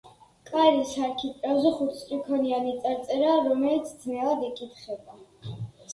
კარის არქიტრავზე ხუთსტრიქონიანი წარწერაა, რომელიც ძნელად იკითხება.